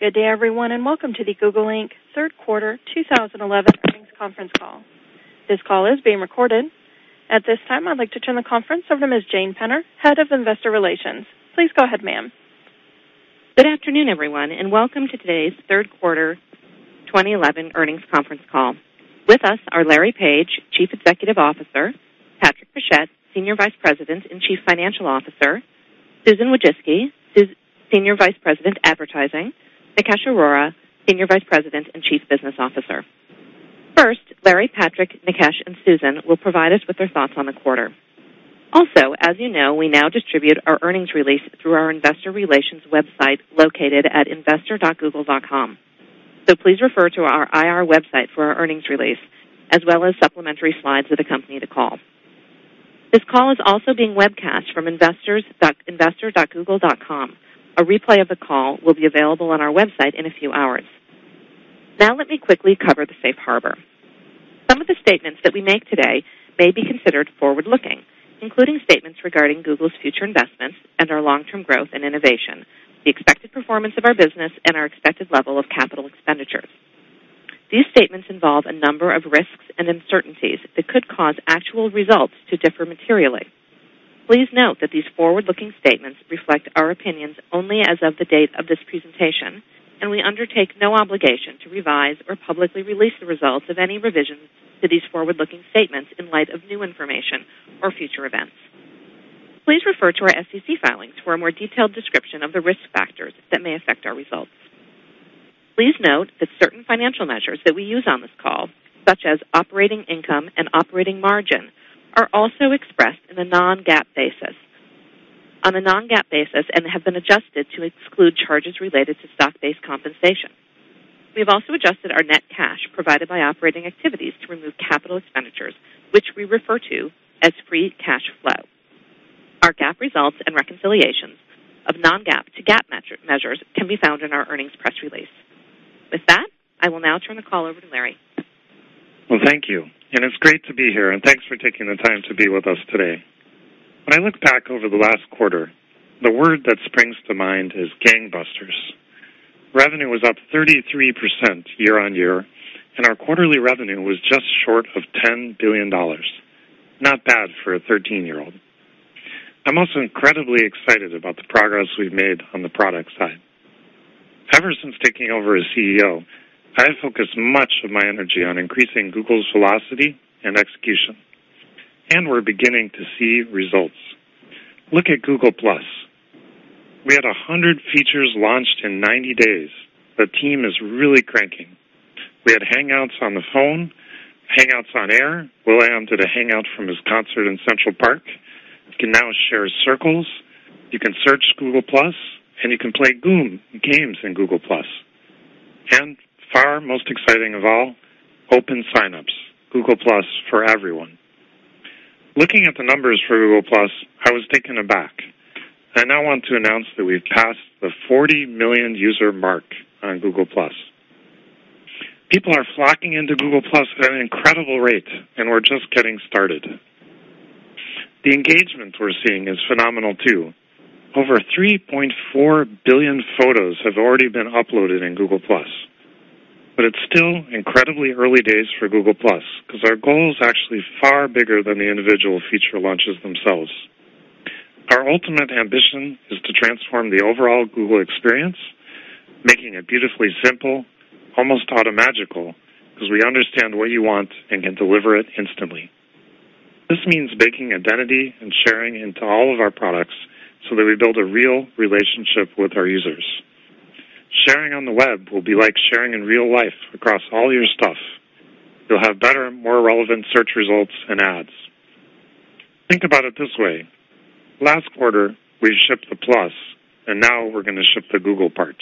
Good day, everyone, and welcome to the Google Inc. Third Quarter 2011 Earnings Conference Call. This call is being recorded. At this time, I'd like to turn the conference over to Ms. Jane Penner, Head of Investor Relations. Please go ahead, ma'am. Good afternoon, everyone, and welcome to today's third quarter 2011 earnings conference call. With us are Larry Page, Chief Executive Officer; Patrick Pichette, Senior Vice President and Chief Financial Officer; Susan Wojcicki, Senior Vice President Advertising; Nikesh Arora, Senior Vice President and Chief Business Officer. First, Larry, Patrick, Nikesh, and Susan will provide us with their thoughts on the quarter. As you know, we now distribute our earnings release through our investor relations website located at investor.google.com. Please refer to our IR website for our earnings release, as well as supplementary slides that accompany the call. This call is also being webcast from investors.google.com. A replay of the call will be available on our website in a few hours. Now, let me quickly cover the safe harbor. Some of the statements that we make today may be considered forward-looking, including statements regarding Google's future investments and our long-term growth and innovation, the expected performance of our business, and our expected level of capital expenditures. These statements involve a number of risks and uncertainties that could cause actual results to differ materially. Please note that these forward-looking statements reflect our opinions only as of the date of this presentation, and we undertake no obligation to revise or publicly release the results of any revision to these forward-looking statements in light of new information or future events. Please refer to our SEC filings for a more detailed description of the risk factors that may affect our results. Please note that certain financial measures that we use on this call, such as operating income and operating margin, are also expressed on a non-GAAP basis. On the non-GAAP basis, and have been adjusted to exclude charges related to stock-based compensation. We have also adjusted our net cash provided by operating activities to remove capital expenditures, which we refer to as free cash flow. Our GAAP results and reconciliations of non-GAAP to GAAP metric measures can be found in our earnings press release. With that, I will now turn the call over to Larry. Thank you. It's great to be here, and thanks for taking the time to be with us today. When I look back over the last quarter, the word that springs to mind is gangbusters. Revenue was up 33% year on year, and our quarterly revenue was just short of $10 billion. Not bad for a 13-year-old. I'm also incredibly excited about the progress we've made on the product side. Ever since taking over as CEO, I have focused much of my energy on increasing Google's velocity and execution. We're beginning to see results. Look at Google+. We had 100 features launched in 90 days. The team is really cranking. We had Hangouts on the phone, Hangouts on air. William did a Hangout from his concert in Central Park. You can now share Circles. You can search Google+, and you can play games in Google+. Far most exciting of all, open signups. Google+ for everyone. Looking at the numbers for Google+, I was taken aback. I now want to announce that we've passed the 40 million user mark on Google+. People are flocking into Google+ at an incredible rate, and we're just getting started. The engagement we're seeing is phenomenal, too. Over 3.4 billion photos have already been uploaded in Google+. It's still incredibly early days for Google+ because our goal is actually far bigger than the individual feature launches themselves. Our ultimate ambition is to transform the overall Google experience, making it beautifully simple, almost automagical, because we understand what you want and can deliver it instantly. This means baking identity and sharing into all of our products so that we build a real relationship with our users. Sharing on the web will be like sharing in real life across all your stuff. You'll have better, more relevant search results and ads. Think about it this way. Last quarter, we shipped the Plus, and now we're going to ship the Google part.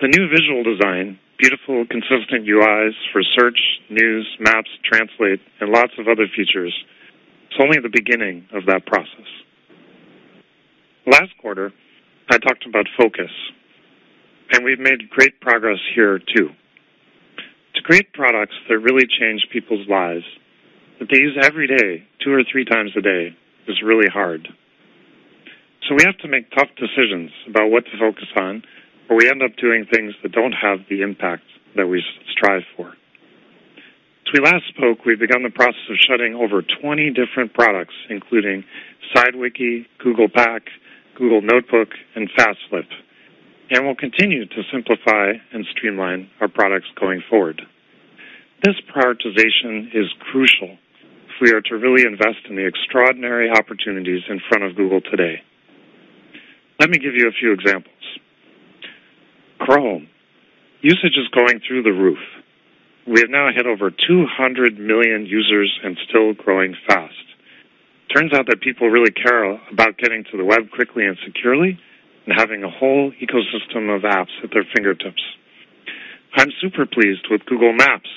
The new visual design, beautiful consistent UIs for Search, News, Maps, Translate, and lots of other features, it's only the beginning of that process. Last quarter, I talked about focus. We've made great progress here, too. To create products that really change people's lives, that they use every day, two or three times a day, is really hard. We have to make tough decisions about what to focus on, or we end up doing things that don't have the impact that we strive for. As we last spoke, we've begun the process of shutting over 20 different products, including Sidewiki, Google Pack, Google Notebook, and Fast Flip. We'll continue to simplify and streamline our products going forward. This prioritization is crucial if we are to really invest in the extraordinary opportunities in front of Google today. Let me give you a few examples. Chrome usage is going through the roof. We have now hit over 200 million users and still growing fast. It turns out that people really care about getting to the web quickly and securely and having a whole ecosystem of apps at their fingertips. I'm super pleased with Google Maps.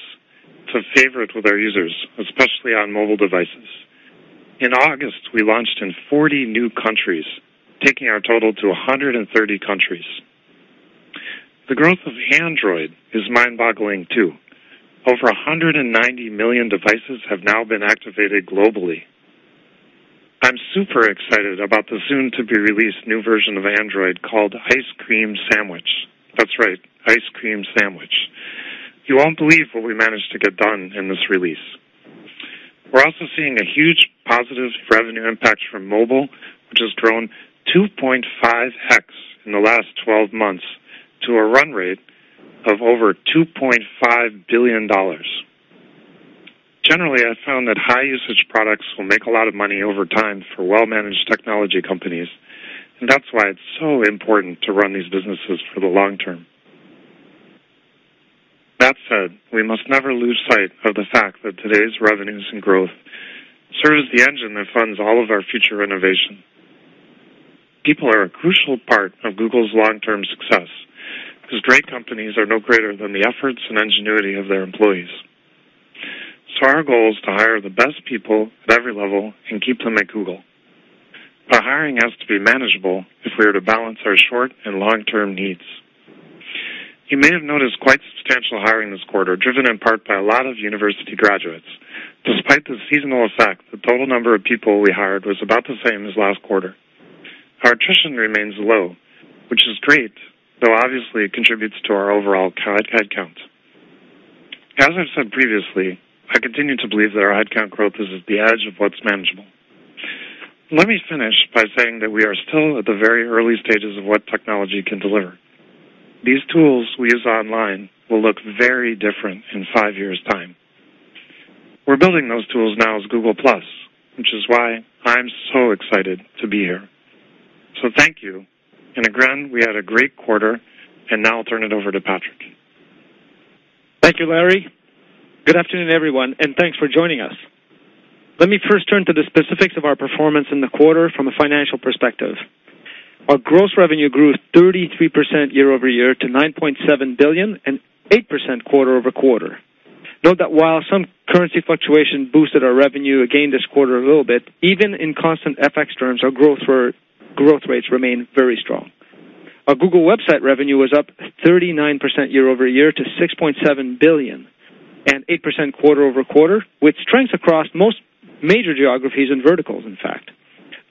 It's a favorite with our users, especially on mobile devices. In August, we launched in 40 new countries, taking our total to 130 countries. The growth of Android is mind-boggling, too. Over 190 million devices have now been activated globally. I'm super excited about the soon-to-be released new version of Android called Ice Cream Sandwich. That's right, Ice Cream Sandwich. You won't believe what we managed to get done in its release. We're also seeing a huge positive revenue impact from mobile, which has grown 2.5x in the last 12 months to a run rate of over $2.5 billion. Generally, I've found that high-usage products will make a lot of money over time for well-managed technology companies. That's why it's so important to run these businesses for the long term. That said, we must never lose sight of the fact that today's revenues and growth serve as the engine that funds all of our future innovation. People are a crucial part of Google's long-term success because great companies are no greater than the efforts and ingenuity of their employees. Our goal is to hire the best people at every level and keep them at Google. The hiring has to be manageable if we are to balance our short and long-term needs. You may have noticed quite substantial hiring this quarter, driven in part by a lot of university graduates. Despite the seasonal effect, the total number of people we hired was about the same as last quarter. Our attrition remains low, which is great, though obviously it contributes to our overall headcount. As I've said previously, I continue to believe that our headcount growth is at the edge of what's manageable. Let me finish by saying that we are still at the very early stages of what technology can deliver. These tools we use online will look very different in five years' time. We're building those tools now as Google+, which is why I'm so excited to be here. Thank you. We had a great quarter, and now I'll turn it over to Patrick. Thank you, Larry. Good afternoon, everyone, and thanks for joining us. Let me first turn to the specifics of our performance in the quarter from a financial perspective. Our gross revenue grew 33% year-over-year to $9.7 billion and 8% quarter-over-quarter. Note that while some currency fluctuation boosted our revenue again this quarter a little bit, even in constant FX terms, our growth rates remain very strong. Our Google website revenue was up 39% year-over-year to $6.7 billion and 8% quarter-over-quarter, with strength across most major geographies and verticals, in fact.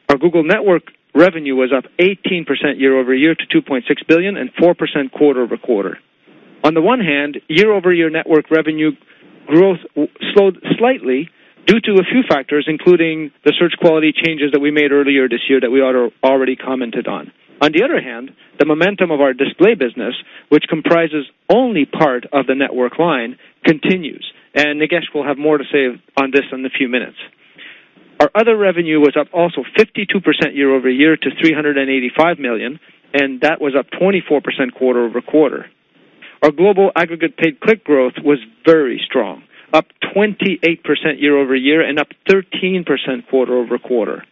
Our Google network revenue was up 18% year-over-year to $2.6 billion and 4% quarter-over-quarter. On the one hand, year-over-year network revenue growth slowed slightly due to a few factors, including the search quality changes that we made earlier this year that we already commented on. On the other hand, the momentum of our display business, which comprises only part of the network line, continues. Nikesh will have more to say on this in a few minutes. Our other revenue was up also 52% year-over-year to $385 million, and that was up 24% quarter-over-quarter. Our global aggregate paid click growth was very strong, up 28% year-over-year and up 13% quarter-over-quarter.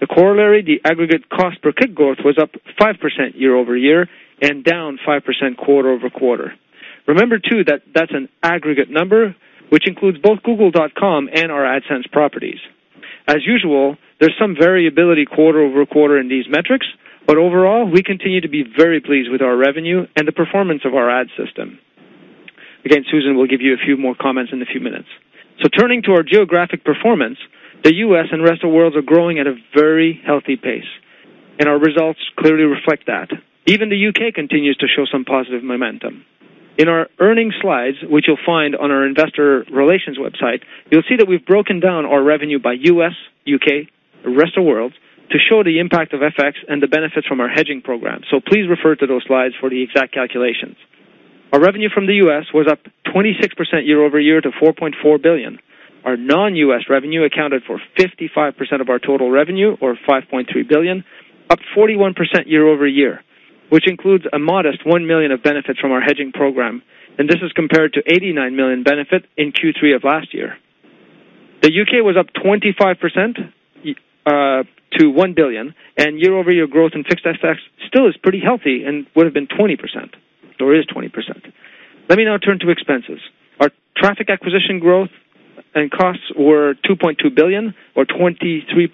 The corollary, the aggregate cost per click growth, was up 5% year-over-year and down 5% quarter-over-quarter. Remember, too, that that's an aggregate number, which includes both Google.com and our AdSense properties. As usual, there's some variability quarter-over-quarter in these metrics, but overall, we continue to be very pleased with our revenue and the performance of our ad system. Susan will give you a few more comments in a few minutes. Turning to our geographic performance, the U.S. and the rest of the world are growing at a very healthy pace. Our results clearly reflect that. Even the U.K. continues to show some positive momentum. In our earnings slides, which you'll find on our investor relations website, you'll see that we've broken down our revenue by U.S., U.K., and the rest of the world to show the impact of FX and the benefits from our hedging program. Please refer to those slides for the exact calculations. Our revenue from the U.S. was up 26% year-over-year to $4.4 billion. Our non-U.S. revenue accounted for 55% of our total revenue, or $5.3 billion, up 41% year-over-year, which includes a modest $1 million of benefits from our hedging program. This is compared to a $89 million benefit in Q3 of last year. The U.K. was up 25% to $1 billion, and year-over-year growth in fixed assets still is pretty healthy and would have been 20% or is 20%. Let me now turn to expenses. Our traffic acquisition growth and costs were $2.2 billion, or 23.7%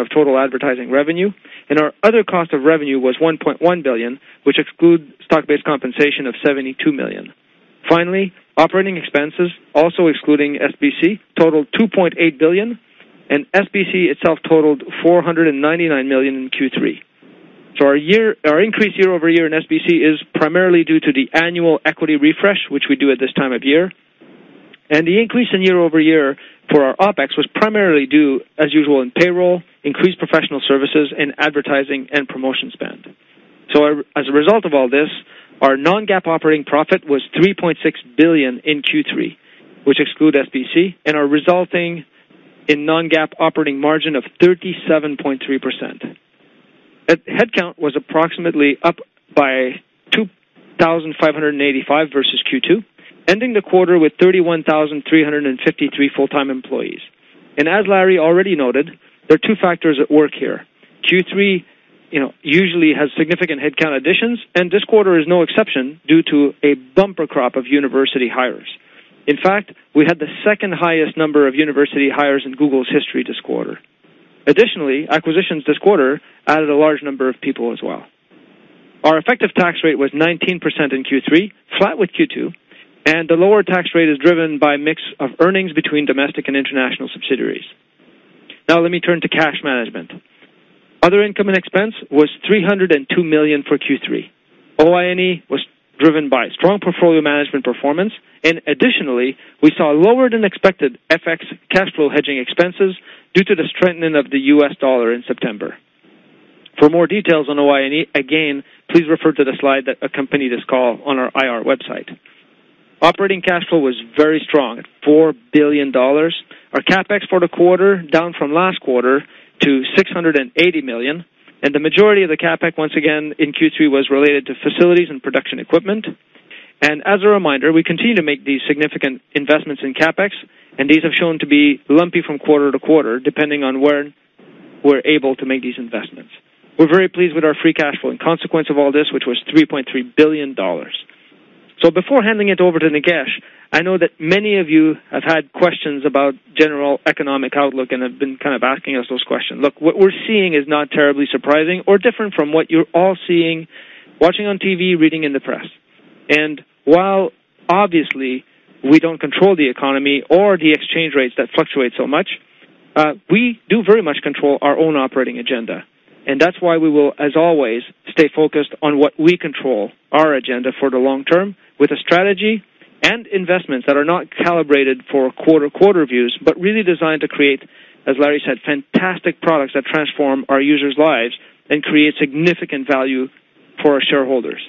of total advertising revenue. Our other cost of revenue was $1.1 billion, which excludes stock-based compensation of $72 million. Finally, operating expenses, also excluding SBC, totaled $2.8 billion, and SBC itself totaled $499 million in Q3. Our increase year over year in SBC is primarily due to the annual equity refresh, which we do at this time of year. The increase in year over year for our OpEx was primarily due, as usual, to payroll, increased professional services, and advertising and promotion spend. As a result of all this, our non-GAAP operating profit was $3.6 billion in Q3, which excludes SBC, and our resulting non-GAAP operating margin was 37.3%. Headcount was approximately up by 2,585 versus Q2, ending the quarter with 31,353 full-time employees. As Larry already noted, there are two factors at work here. Q3 usually has significant headcount additions, and this quarter is no exception due to a bumper crop of university hires. In fact, we had the second highest number of university hires in Google's history this quarter. Additionally, acquisitions this quarter added a large number of people as well. Our effective tax rate was 19% in Q3, flat with Q2. The lower tax rate is driven by a mix of earnings between domestic and international subsidiaries. Now let me turn to cash management. Other income and expense was $302 million for Q3. OI&E was driven by strong portfolio management performance. Additionally, we saw lower than expected FX cash flow hedging expenses due to the strengthening of the U.S. dollar in September. For more details on OI&E, please refer to the slide that accompanied this call on our IR website. Operating cash flow was very strong at $4 billion. Our CapEx for the quarter is down from last quarter to $680 million. The majority of the CapEx, once again, in Q3 was related to facilities and production equipment. As a reminder, we continue to make these significant investments in CapEx, and these have shown to be lumpy from quarter to quarter, depending on when we're able to make these investments. We're very pleased with our free cash flow in consequence of all this, which was $3.3 billion. Before handing it over to Nikesh, I know that many of you have had questions about general economic outlook and have been kind of asking us those questions. What we're seeing is not terribly surprising or different from what you're all seeing, watching on TV, reading in the press. While obviously we don't control the economy or the exchange rates that fluctuate so much, we do very much control our own operating agenda. That's why we will, as always, stay focused on what we control, our agenda for the long term, with a strategy and investments that are not calibrated for quarter-to-quarter views, but really designed to create, as Larry said, fantastic products that transform our users' lives and create significant value for our shareholders.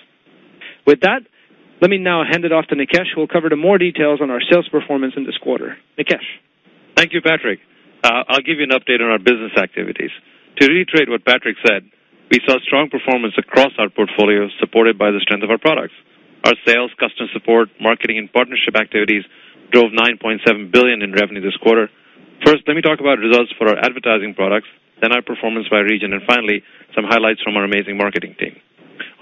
With that, let me now hand it off to Nikesh, who will cover the more details on our sales performance in this quarter. Nikesh. Thank you, Patrick. I'll give you an update on our business activities. To reiterate what Patrick said, we saw strong performance across our portfolio, supported by the strength of our products. Our sales, customer support, marketing, and partnership activities drove $9.7 billion in revenue this quarter. First, let me talk about results for our advertising products, then our performance by region, and finally, some highlights from our amazing marketing team.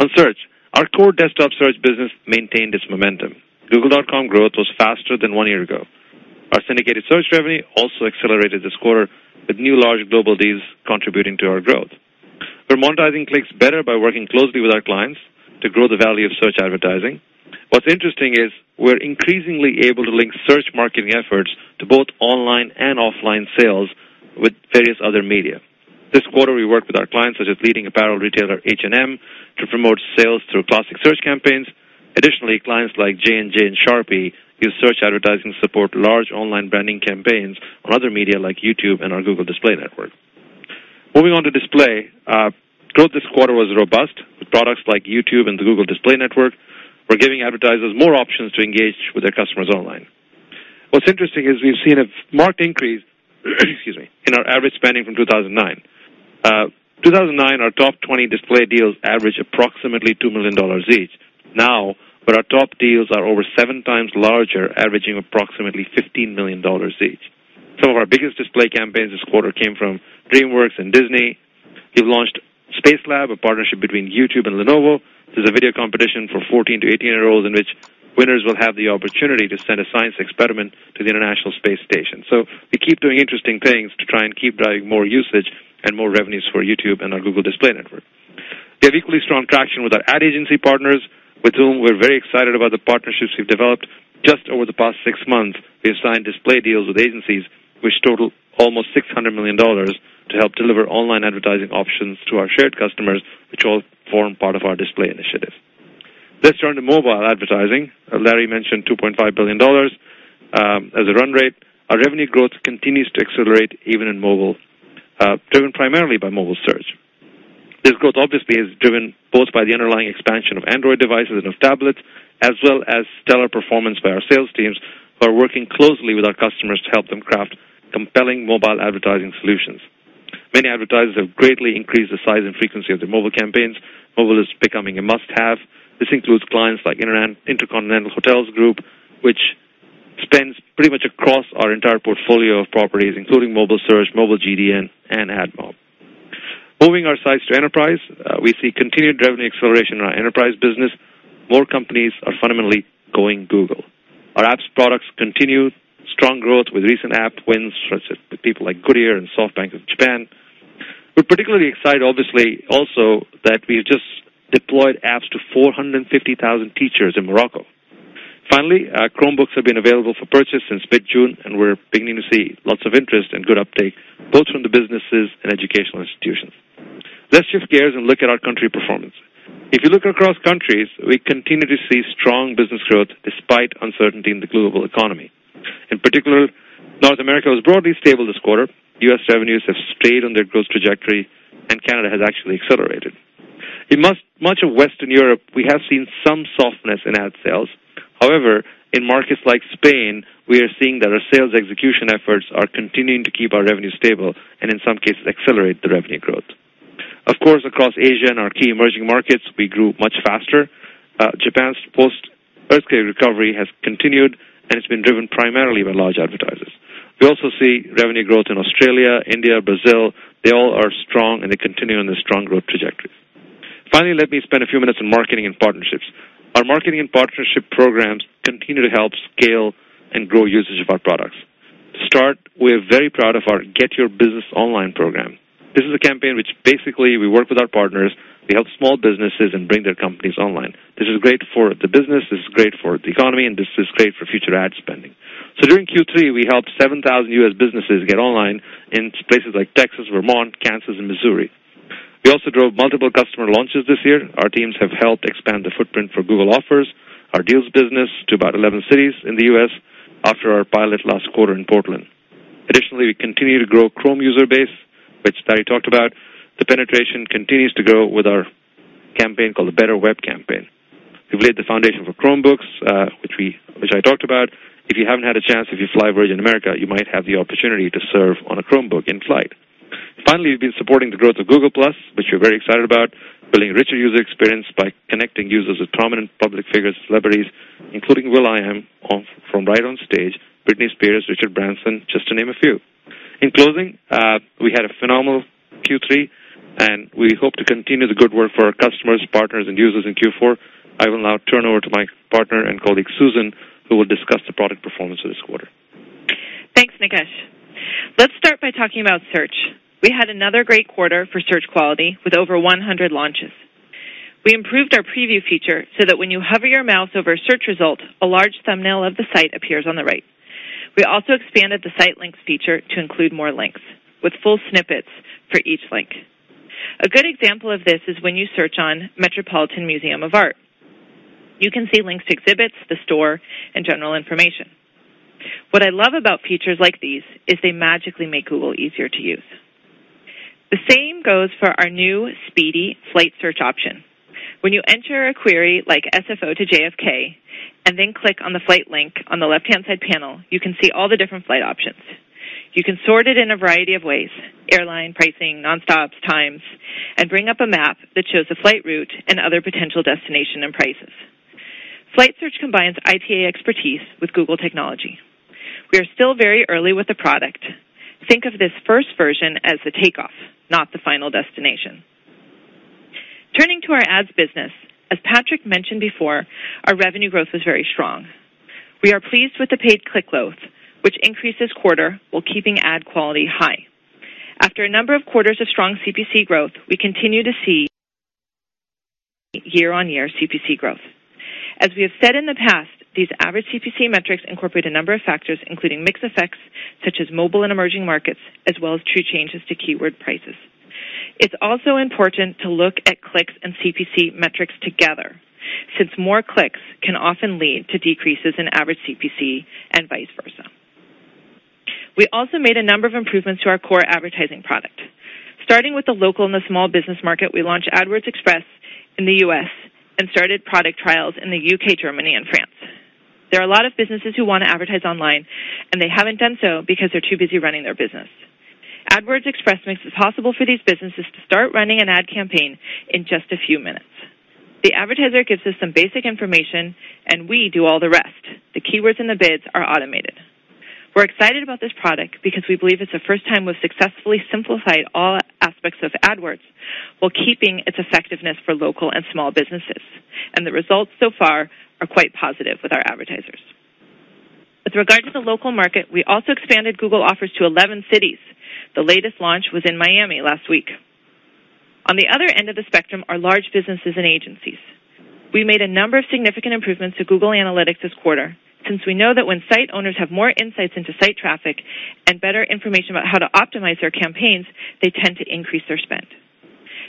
On search, our core desktop search business maintained its momentum. Google.com growth was faster than one year ago. Our syndicated search revenue also accelerated this quarter, with new large global deals contributing to our growth. We're monetizing clicks better by working closely with our clients to grow the value of search advertising. What's interesting is we're increasingly able to link search marketing efforts to both online and offline sales with various other media. This quarter, we worked with our clients, such as leading apparel retailer H&M, to promote sales through classic search campaigns. Additionally, clients like J&J and Sharpie use search advertising support to launch online branding campaigns on other media like YouTube and our Google Display Network. Moving on to display, growth this quarter was robust with products like YouTube and the Google Display Network. We're giving advertisers more options to engage with their customers online. What's interesting is we've seen a marked increase in our average spending from 2009. In 2009, our top 20 display deals averaged approximately $2 million each. Now, our top deals are over seven times larger, averaging approximately $15 million each. Some of our biggest display campaigns this quarter came from DreamWorks and Disney. We've launched Space Lab, a partnership between YouTube and Lenovo. This is a video competition for 14-18-year-olds in which winners will have the opportunity to send a science experiment to the International Space Station. We keep doing interesting things to try and keep driving more usage and more revenues for YouTube and our Google Display Network. We have equally strong traction with our ad agency partners, with whom we're very excited about the partnerships we've developed. Just over the past six months, we have signed display deals with agencies, which total almost $600 million, to help deliver online advertising options to our shared customers, which all form part of our display initiative. Let's turn to mobile advertising. Larry mentioned $2.5 billion as a run rate. Our revenue growth continues to accelerate even in mobile, driven primarily by mobile search. This growth obviously is driven both by the underlying expansion of Android devices and of tablets, as well as stellar performance by our sales teams, who are working closely with our customers to help them craft compelling mobile advertising solutions. Many advertisers have greatly increased the size and frequency of their mobile campaigns. Mobile is becoming a must-have. This includes clients like Intercontinental Hotels Group, which spends pretty much across our entire portfolio of properties, including mobile search, mobile GDN, and AdMob. Moving our sights to enterprise, we see continued revenue acceleration in our enterprise business. More companies are fundamentally going Google. Our apps products continue strong growth with recent app wins with people like Goodyear and SoftBank of Japan. We're particularly excited, obviously, also that we have just deployed apps to 450,000 teachers in Morocco. Finally, Chromebooks have been available for purchase since mid-June, and we're beginning to see lots of interest and good uptake both from the businesses and educational institutions. Let's shift gears and look at our country performance. If you look across countries, we continue to see strong business growth despite uncertainty in the global economy. In particular, North America was broadly stable this quarter. U.S. revenues have stayed on their growth trajectory, and Canada has actually accelerated. In much of Western Europe, we have seen some softness in ad sales. However, in markets like Spain, we are seeing that our sales execution efforts are continuing to keep our revenue stable and, in some cases, accelerate the revenue growth. Of course, across Asia and our key emerging markets, we grew much faster. Japan's post-earthquake recovery has continued, and it's been driven primarily by large advertisers. We also see revenue growth in Australia, India, Brazil. They all are strong, and they continue on their strong growth trajectories. Finally, let me spend a few minutes on marketing and partnerships. Our marketing and partnership programs continue to help scale and grow usage of our products. To start, we're very proud of our Get Your Business Online program. This is a campaign which basically we work with our partners. We help small businesses bring their companies online. This is great for the business. This is great for the economy, and this is great for future ad spending. During Q3, we helped 7,000 U.S. businesses get online in places like Texas, Vermont, Kansas, and Missouri. We also drove multiple customer launches this year. Our teams have helped expand the footprint for Google Offers, our deals business, to about 11 cities in the U.S. after our pilot last quarter in Portland. Additionally, we continue to grow the Chrome user base, which Larry talked about. The penetration continues to grow with our campaign called the Better Web Campaign. We've laid the foundation for Chromebooks, which I talked about. If you haven't had a chance, if you fly Virgin America, you might have the opportunity to serve on a Chromebook in flight. Finally, we've been supporting the growth of Google+, which we're very excited about, building a richer user experience by connecting users with prominent public figures and celebrities, including Will.i.am from right on stage, Britney Spears, Richard Branson, just to name a few. In closing, we had a phenomenal Q3, and we hope to continue the good work for our customers, partners, and users in Q4. I will now turn over to my partner and colleague Susan, who will discuss the product performance of this quarter. Thanks, Nikesh. Let's start by talking about search. We had another great quarter for search quality with over 100 launches. We improved our preview feature so that when you hover your mouse over a search result, a large thumbnail of the site appears on the right. We also expanded the site links feature to include more links with full snippets for each link. A good example of this is when you search on Metropolitan Museum of Art. You can see links to exhibits, the store, and general information. What I love about features like these is they magically make Google easier to use. The same goes for our new speedy flight search option. When you enter a query like SFO to JFK and then click on the flight link on the left-hand side panel, you can see all the different flight options. You can sort it in a variety of ways: airline, pricing, nonstops, times, and bring up a map that shows the flight route and other potential destinations and prices. Flight search combines IT expertise with Google technology. We are still very early with the product. Think of this first version as the takeoff, not the final destination. Turning to our ads business, as Patrick mentioned before, our revenue growth was very strong. We are pleased with the paid click growth, which increases quarter while keeping ad quality high. After a number of quarters of strong CPC growth, we continue to see year-on-year CPC growth. As we have said in the past, these average CPC metrics incorporate a number of factors, including mixed effects such as mobile and emerging markets, as well as true changes to keyword prices. It's also important to look at clicks and CPC metrics together, since more clicks can often lead to decreases in average CPC and vice versa. We also made a number of improvements to our core advertising product. Starting with the local and the small business market, we launched AdWords Express in the U.S. and started product trials in the U.K., Germany, and France. There are a lot of businesses who want to advertise online, and they haven't done so because they're too busy running their business. AdWords Express makes it possible for these businesses to start running an ad campaign in just a few minutes. The advertiser gives us some basic information, and we do all the rest. The keywords and the bids are automated. We're excited about this product because we believe it's the first time we've successfully simplified all aspects of AdWords while keeping its effectiveness for local and small businesses. The results so far are quite positive with our advertisers. With regard to the local market, we also expanded Google Offers to 11 cities. The latest launch was in Miami last week. On the other end of the spectrum are large businesses and agencies. We made a number of significant improvements to Google Analytics this quarter, since we know that when site owners have more insights into site traffic and better information about how to optimize their campaigns, they tend to increase their spend.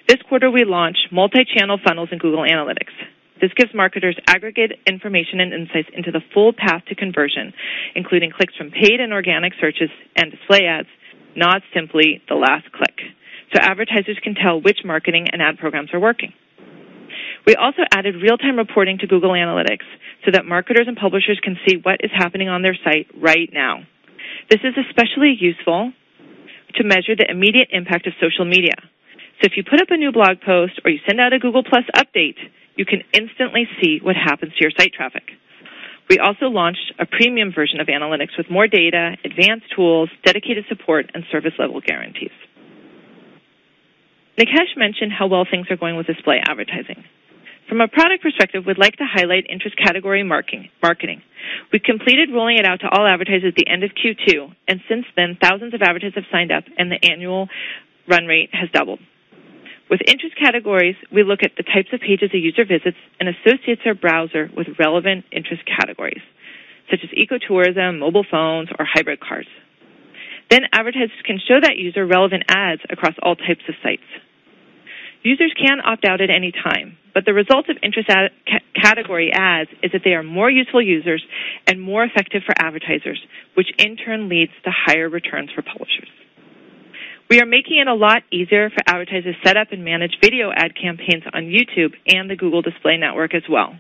This quarter, we launched multi-channel funnels in Google Analytics. This gives marketers aggregate information and insights into the full path to conversion, including clicks from paid and organic searches and display ads, not simply the last click. Advertisers can tell which marketing and ad programs are working. We also added real-time reporting to Google Analytics so that marketers and publishers can see what is happening on their site right now. This is especially useful to measure the immediate impact of social media. If you put up a new blog post or you send out a Google+ update, you can instantly see what happens to your site traffic. We also launched a premium version of Analytics with more data, advanced tools, dedicated support, and service level guarantees. Nikesh mentioned how well things are going with display advertising. From a product perspective, we'd like to highlight interest category marketing. We completed rolling it out to all advertisers at the end of Q2. Since then, thousands of advertisers have signed up, and the annual run rate has doubled. With interest categories, we look at the types of pages a user visits and associate their browser with relevant interest categories, such as ecotourism, mobile phones, or hybrid cars. Advertisers can show that user relevant ads across all types of sites. Users can opt out at any time, but the result of interest category ads is that they are more useful to users and more effective for advertisers, which in turn leads to higher returns for publishers. We are making it a lot easier for advertisers to set up and manage video ad campaigns on YouTube and the Google Display Network as well.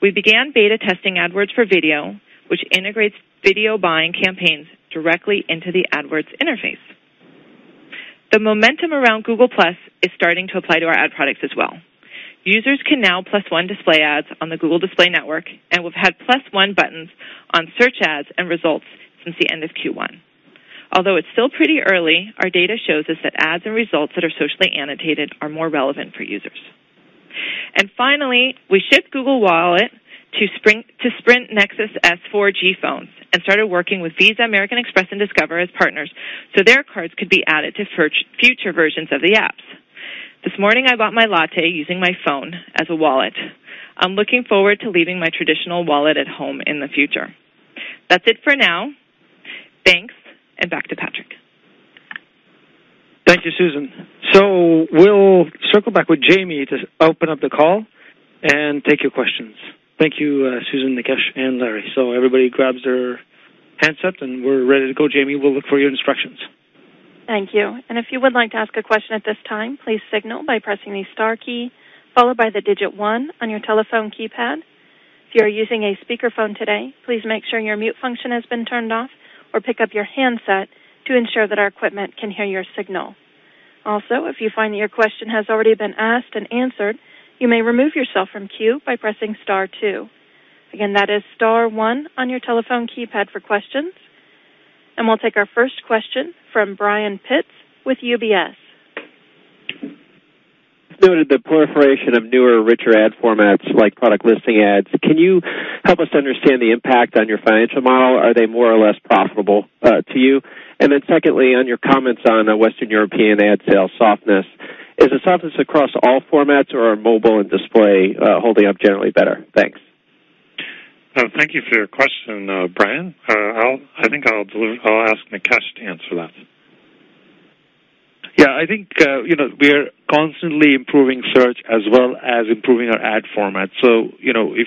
We began beta testing AdWords for video, which integrates video buying campaigns directly into the AdWords interface. The momentum around Google+ is starting to apply to our ad products as well. Users can now +1 display ads on the Google Display Network, and we've had +1 buttons on search ads and results since the end of Q1. Although it's still pretty early, our data shows us that ads and results that are socially annotated are more relevant for users. Finally, we shipped Google Wallet to Sprint Nexus S 4G phones and started working with Visa, American Express, and Discover as partners so their cards could be added to future versions of the apps. This morning, I bought my latte using my phone as a wallet. I'm looking forward to leaving my traditional wallet at home in the future. That's it for now. Thanks, and back to Patrick. Thank you, Susan. We'll circle back with Jamie to open up the call and take your questions. Thank you, Susan, Nikesh, and Larry. Everybody grabs their handsets, and we're ready to go. Jamie, we'll look for your instructions. Thank you. If you would like to ask a question at this time, please signal by pressing the star key followed by the digit one on your telephone keypad. If you are using a speakerphone today, please make sure your mute function has been turned off or pick up your handset to ensure that our equipment can hear your signal. If you find that your question has already been asked and answered, you may remove yourself from queue by pressing star two. Again, that is star one on your telephone keypad for questions. We'll take our first question from Brian Pitz with UBS. Excluding the proliferation of newer, richer ad formats like product listing ads, can you help us to understand the impact on your financial model? Are they more or less profitable to you? Secondly, on your comments on Western European ad sales softness, is the softness across all formats, or are mobile and display holding up generally better? Thanks. Thank you for your question, Brian. I think I'll ask Nikesh to answer that. Yeah, I think we are constantly improving search as well as improving our ad format. If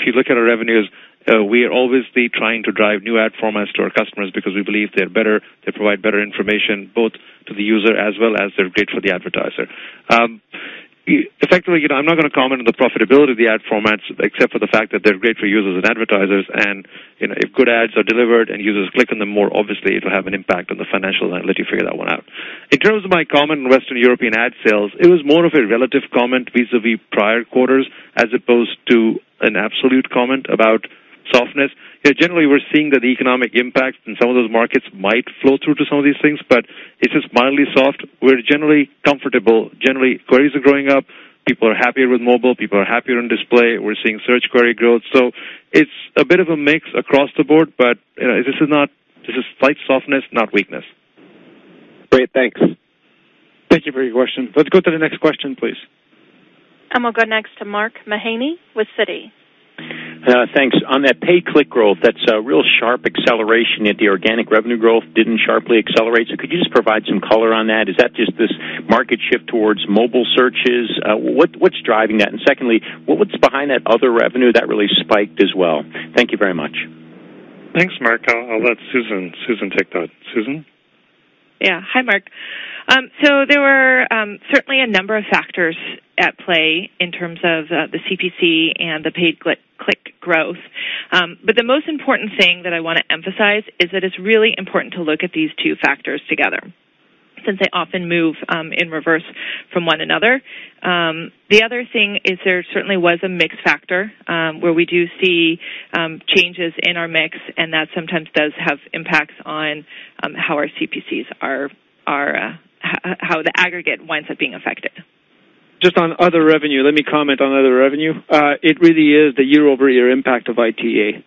you look at our revenues, we are always trying to drive new ad formats to our customers because we believe they are better. They provide better information both to the user as well as they're great for the advertiser. Effectively, I'm not going to comment on the profitability of the ad formats except for the fact that they're great for users and advertisers. If good ads are delivered and users click on them more, obviously, it will have an impact on the financials. I'll let you figure that one out. In terms of my comment on Western European ad sales, it was more of a relative comment vis-à-vis prior quarters as opposed to an absolute comment about softness. Generally, we're seeing that the economic impact in some of those markets might flow through to some of these things, but it's just mildly soft. We're generally comfortable. Generally, queries are growing up. People are happier with mobile. People are happier on display. We're seeing search query growth. It's a bit of a mix across the board, but this is slight softness, not weakness. Great, thanks. Thank you for your question. Let's go to the next question, please. We'll go next to Mark Mahaney with Citi. Thanks. On that paid click growth, that's a real sharp acceleration, yet the organic revenue growth didn't sharply accelerate. Could you just provide some color on that? Is that just this market shift towards mobile searches? What's driving that? Secondly, what's behind that other revenue that really spiked as well? Thank you very much. Thanks, Mark. I'll let Susan take that. Susan? Hi, Mark. There were certainly a number of factors at play in terms of the CPC and the paid click growth. The most important thing that I want to emphasize is that it's really important to look at these two factors together since they often move in reverse from one another. There was a mix factor where we do see changes in our mix, and that sometimes does have impacts on how the aggregate winds up being affected. Just on other revenue, let me comment on other revenue. It really is the year-over-year impact of ITA.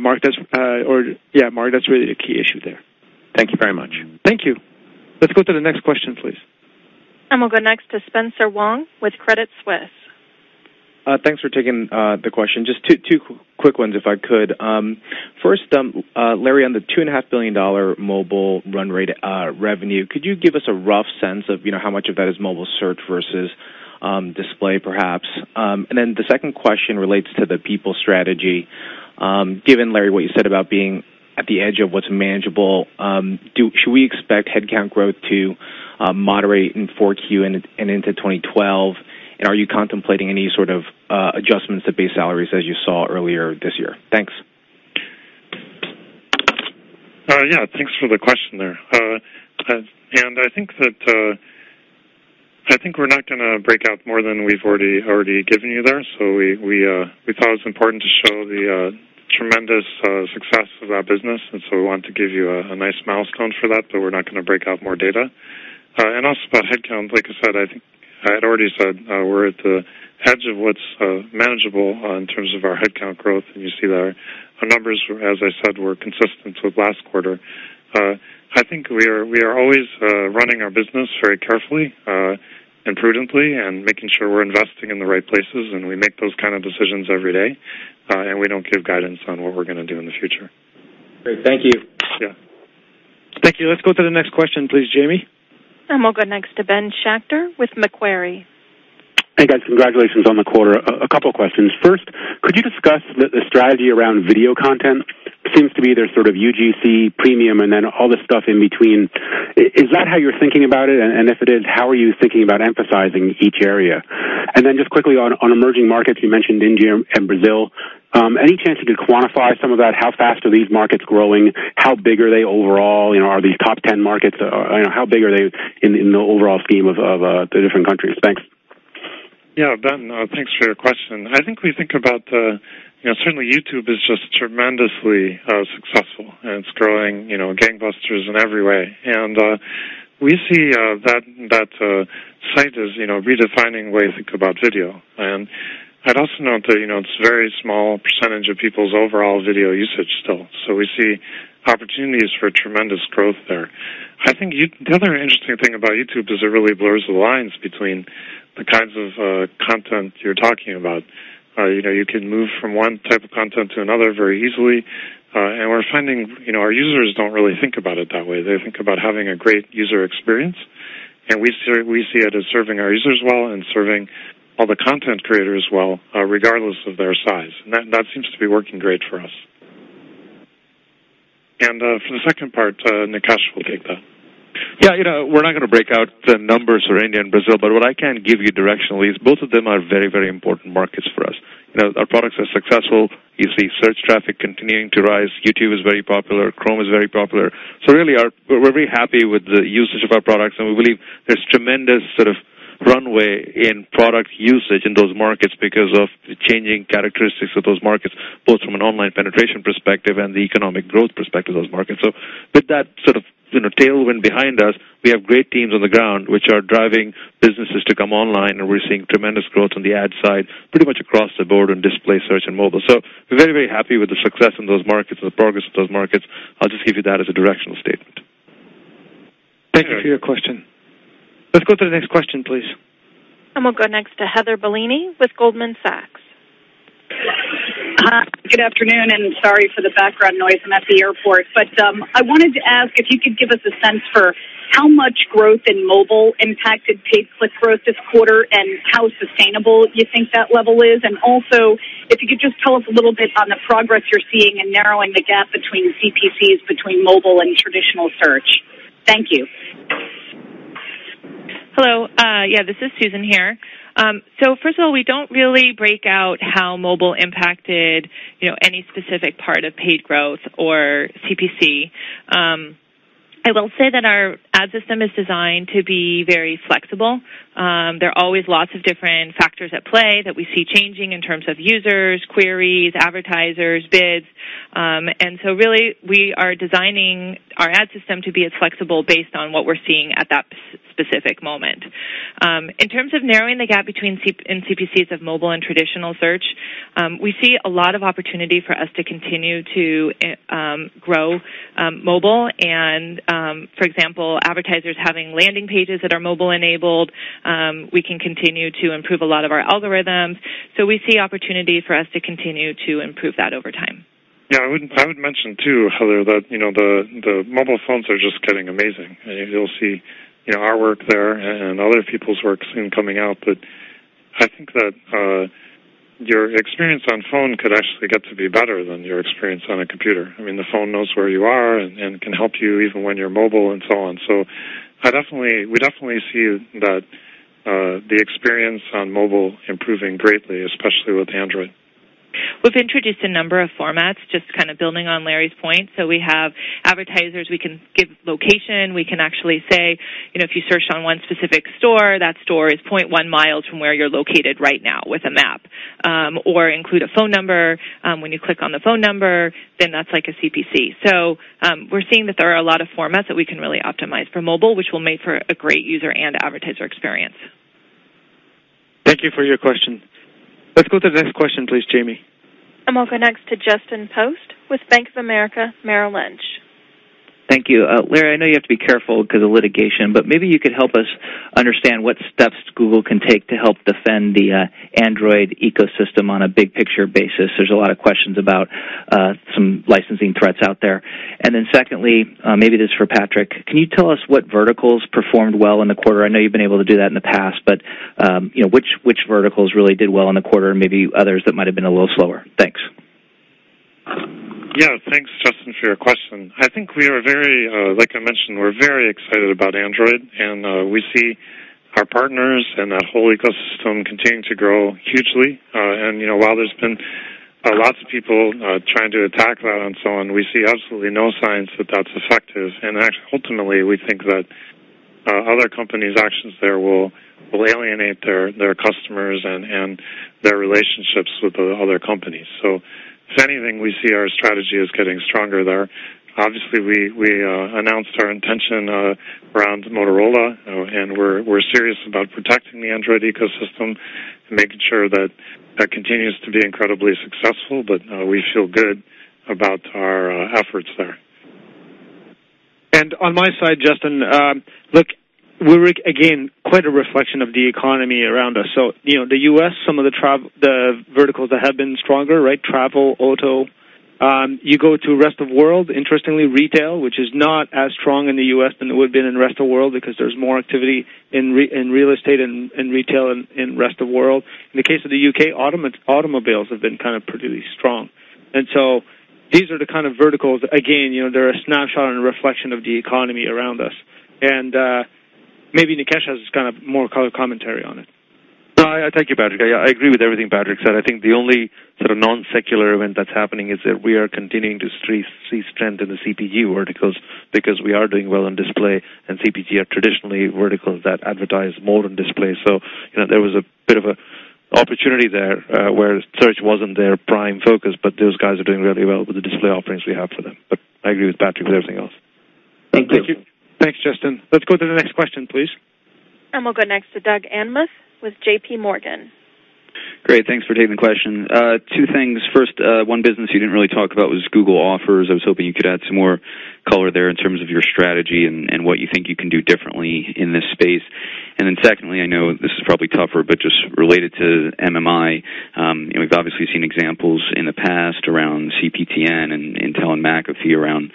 Mark, that's really the key issue there. Thank you very much. Thank you. Let's go to the next question, please. We'll go next to Spencer Wang with Credit Suisse. Thanks for taking the question. Just two quick ones if I could. First, Larry, on the $2.5 billion mobile run rate revenue, could you give us a rough sense of how much of that is mobile search versus display, perhaps? The second question relates to the people strategy. Given, Larry, what you said about being at the edge of what's manageable, should we expect headcount growth to moderate in 4Q and into 2012? Are you contemplating any sort of adjustments to base salaries as you saw earlier this year? Thanks. Thank you for the question. I think we're not going to break out more than we've already given you. We thought it was important to show the tremendous success of that business, and we wanted to give you a nice milestone for that, but we're not going to break out more data. Also, about headcount, like I said, I think I had already said we're at the edge of what's manageable in terms of our headcount growth. You see our numbers, as I said, were consistent with last quarter. I think we are always running our business very carefully and prudently and making sure we're investing in the right places. We make those kinds of decisions every day, and we don't give guidance on what we're going to do in the future. Great, thank you. Thank you. Let's go to the next question, please, Jamie. We'll go next to Ben Schachter with Macquarie. Nikesh, congratulations on the quarter. A couple of questions. First, could you discuss the strategy around video content? It seems to be there's sort of UGC, premium, and then all this stuff in between. Is that how you're thinking about it? If it is, how are you thinking about emphasizing each area? Just quickly on emerging markets, you mentioned India and Brazil. Any chance you could quantify some of that? How fast are these markets growing? How big are they overall? Are these top 10 markets? How big are they in the overall scheme of the different countries? Thanks. Yeah, Ben, thanks for your question. I think we think about certainly YouTube is just tremendously successful, and it's growing gangbusters in every way. We see that site as redefining the way we think about video. I'd also note that it's a very small percentage of people's overall video usage still. We see opportunities for tremendous growth there. I think the other interesting thing about YouTube is it really blurs the lines between the kinds of content you're talking about. You can move from one type of content to another very easily. We're finding our users don't really think about it that way. They think about having a great user experience. We see it as serving our users well and serving all the content creators well, regardless of their size. That seems to be working great for us. For the second part, Nikesh will take that. Yeah, we're not going to break out the numbers for India and Brazil, but what I can give you directionally is both of them are very, very important markets for us. Our products are successful. You see search traffic continuing to rise. YouTube is very popular. Chrome is very popular. We're very happy with the usage of our products. We believe there's tremendous sort of runway in product usage in those markets because of the changing characteristics of those markets, both from an online penetration perspective and the economic growth perspective of those markets. With that sort of tailwind behind us, we have great teams on the ground which are driving businesses to come online. We're seeing tremendous growth on the ad side pretty much across the board in display, search, and mobile. We're very, very happy with the success in those markets and the progress of those markets. I'll just give you that as a directional statement. Thank you for your question. Let's go to the next question, please. We will go next to Heather Bellini with Goldman Sachs. Good afternoon, and sorry for the background noise. I'm at the airport. I wanted to ask if you could give us a sense for how much growth in mobile impacted paid click growth this quarter and how sustainable you think that level is. Also, if you could just tell us a little bit on the progress you're seeing in narrowing the gap between CPCs between mobile and traditional search. Thank you. Hello. This is Susan here. First of all, we don't really break out how mobile impacted any specific part of paid growth or CPC. I will say that our ad system is designed to be very flexible. There are always lots of different factors at play that we see changing in terms of users, queries, advertisers, bids. We are designing our ad system to be as flexible based on what we're seeing at that specific moment. In terms of narrowing the gap between CPCs of mobile and traditional search, we see a lot of opportunity for us to continue to grow mobile. For example, advertisers having landing pages that are mobile enabled, we can continue to improve a lot of our algorithms. We see opportunity for us to continue to improve that over time. Yeah, I would mention, too, Heather, that the mobile phones are just getting amazing. You'll see our work there and other people's work soon coming out. I think that your experience on phone could actually get to be better than your experience on a computer. I mean, the phone knows where you are and can help you even when you're mobile and so on. We definitely see that the experience on mobile is improving greatly, especially with Android. We've introduced a number of formats, just kind of building on Larry's point. We have advertisers we can give location. We can actually say, if you search on one specific store, that store is 0.1 mi from where you're located right now with a map, or include a phone number. When you click on the phone number, then that's like a CPC. We're seeing that there are a lot of formats that we can really optimize for mobile, which will make for a great user and advertiser experience. Thank you for your question. Let's go to the next question, please, Jamie. We will go next to Justin Post with Bank of America, Merrill Lynch. Thank you. Larry, I know you have to be careful because of litigation, but maybe you could help us understand what steps Google can take to help defend the Android ecosystem on a big picture basis. There's a lot of questions about some licensing threats out there. Secondly, maybe this is for Patrick. Can you tell us what verticals performed well in the quarter? I know you've been able to do that in the past, but which verticals really did well in the quarter and maybe others that might have been a little slower? Thanks. Yeah, thanks, Justin, for your question. I think we are very, like I mentioned, we're very excited about Android. We see our partners and that whole ecosystem continuing to grow hugely. While there's been lots of people trying to attack that and so on, we see absolutely no signs that that's effective. Actually, ultimately, we think that other companies' actions there will alienate their customers and their relationships with other companies. If anything, we see our strategy is getting stronger there. Obviously, we announced our intention around Motorola. We're serious about protecting the Android ecosystem and making sure that that continues to be incredibly successful. We feel good about our efforts there. On my side, Justin, look, we're again quite a reflection of the economy around us. The U.S., some of the verticals that have been stronger, right, travel, auto. You go to the rest of the world, interestingly, retail, which is not as strong in the U.S. than it would have been in the rest of the world because there's more activity in real estate and retail in the rest of the world. In the case of the U.K., automobiles have been kind of pretty strong. These are the kind of verticals, again, they're a snapshot and a reflection of the economy around us. Maybe Nikesh has this kind of more color commentary on it. No. Thank you, Patrick. I agree with everything Patrick said. I think the only sort of non-secular event that's happening is that we are continuing to see strength in the CPU verticals because we are doing well on display. CPG are traditionally verticals that advertise more than display, so there was a bit of an opportunity there where search wasn't their prime focus. Those guys are doing really well with the display offerings we have for them. I agree with Patrick with everything else. Thank you. Thanks, Justin. Let's go to the next question, please. We'll go next to Doug Anmuth with JPMorgan. Great, thanks for taking the question. Two things. First, one business you didn't really talk about was Google Offers. I was hoping you could add some more color there in terms of your strategy and what you think you can do differently in this space. Secondly, I know this is probably tougher, but just related to MMI, we've obviously seen examples in the past around CPTN and Intel and McAfee around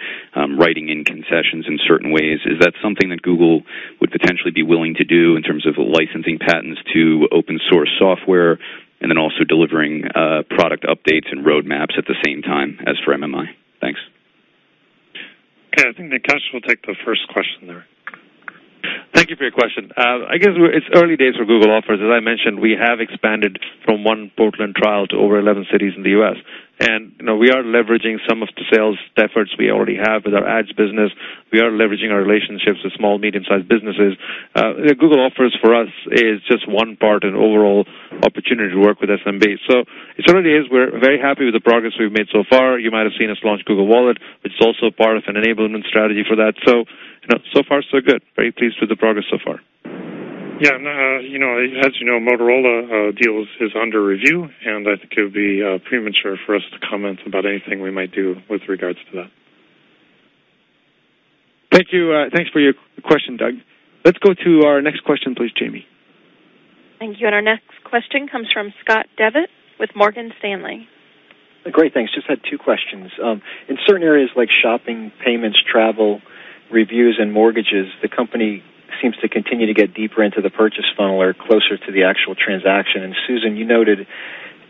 writing in concessions in certain ways. Is that something that Google would potentially be willing to do in terms of licensing patents to open source software and also delivering product updates and roadmaps at the same time as for MMI? Thanks. Yeah, I think Nikesh will take the first question there. Thank you for your question. I guess it's early days for Google Offers. As I mentioned, we have expanded from one Portland trial to over 11 cities in the U.S., and we are leveraging some of the sales efforts we already have with our ads business. We are leveraging our relationships with small, medium-sized businesses. Google Offers for us is just one part in overall opportunity to work with SMB. It certainly is, and we're very happy with the progress we've made so far. You might have seen us launch Google Wallet, which is also part of an enablement strategy for that. So far, so good. Very pleased with the progress so far. Yeah, as you know, the Motorola deal is under review. I think it would be premature for us to comment about anything we might do with regards to that. Thank you. Thanks for your question, Doug. Let's go to our next question, please, Jamie. Thank you. Our next question comes from Scott Devitt with Morgan Stanley. Great, thanks. Just had two questions. In certain areas like shopping, payments, travel, reviews, and mortgages, the company seems to continue to get deeper into the purchase funnel or closer to the actual transaction. Susan, you noted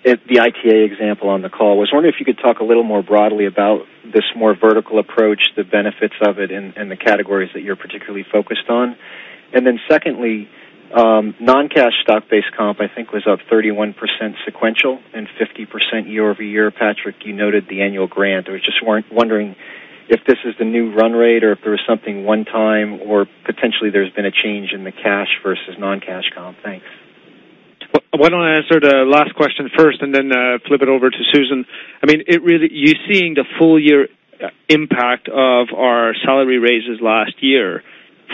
the ITA example on the call. I was wondering if you could talk a little more broadly about this more vertical approach, the benefits of it, and the categories that you're particularly focused on. Secondly, non-cash stock-based comp, I think, was up 31% sequential and 50% year-over-year. Patrick, you noted the annual grant. I was just wondering if this is the new run rate or if there was something one time or potentially there's been a change in the cash versus non-cash comp. Thanks. Why don't I answer the last question first and then flip it over to Susan? You're seeing the full-year impact of our salary raises last year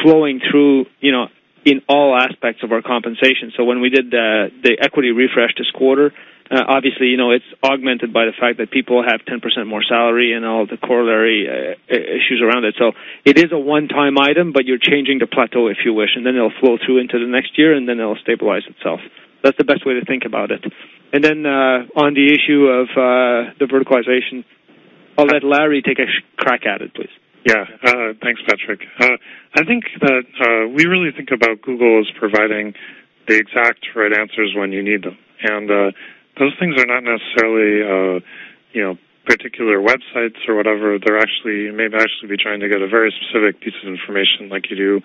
flowing through in all aspects of our compensation. When we did the equity refresh this quarter, obviously, it's augmented by the fact that people have 10% more salary and all the corollary issues around it. It is a one-time item, but you're changing the plateau if you wish. It'll flow through into the next year, and then it'll stabilize itself. That's the best way to think about it. On the issue of the verticalization, I'll let Larry take a crack at it, please. Yeah, thanks, Patrick. I think that we really think about Google as providing the exact right answers when you need them. Those things are not necessarily particular websites or whatever. They may actually be trying to get a very specific piece of information like you do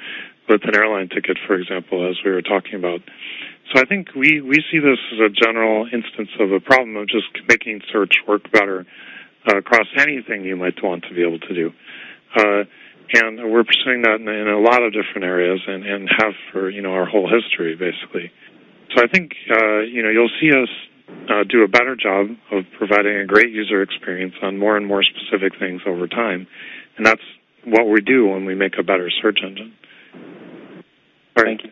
with an airline ticket, for example, as we were talking about. I think we see this as a general instance of a problem of just making search work better across anything you might want to be able to do. We're pursuing that in a lot of different areas and have for our whole history, basically. I think you'll see us do a better job of providing a great user experience on more and more specific things over time. That's what we do when we make a better search engine. Thank you.